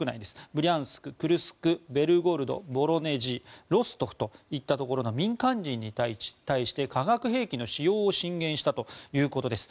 ブリャンスク、クルスクベルゴロド、ボロネジロストフといったところの民間人に対して化学兵器の使用を進言したということです。